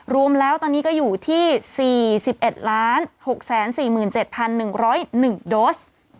รวมแล้วตอนนี้ก็อยู่ที่สี่สิบเอ็ดล้านหกแสนสี่หมื่นเจ็ดพันหนึ่งร้อยหนึ่งโดส